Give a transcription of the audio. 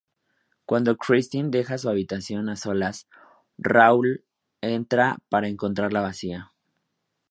Cuando Christine deja su habitación a solas, Raoul entra para encontrarla vacía.